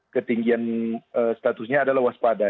ketinggian statusnya adalah waspada